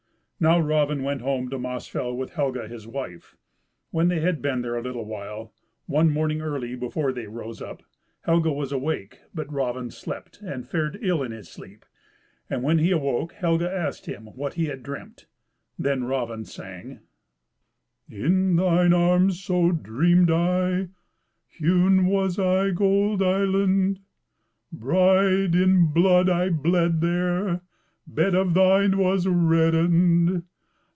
Now Raven went home to Mossfell with Helga his wife. When they had been there a little while, one morning early before they rose up, Helga was awake, but Raven slept, and fared ill in his sleep. And when he woke Helga asked him what he had dreamt. Then Raven sang: "In thine arms, so dreamed I, Hewn was I, gold island! Bride, in blood I bled there, Bed of thine was reddened.